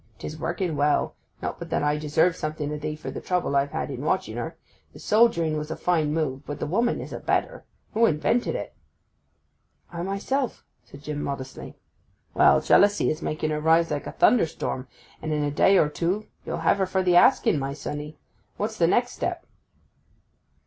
''Tis working well; not but that I deserve something o' thee for the trouble I've had in watching her. The soldiering was a fine move; but the woman is a better!—who invented it?' 'I myself,' said Jim modestly. 'Well; jealousy is making her rise like a thunderstorm, and in a day or two you'll have her for the asking, my sonny. What's the next step?